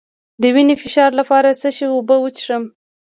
د وینې د فشار لپاره د څه شي اوبه وڅښم؟